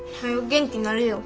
元気なれよ。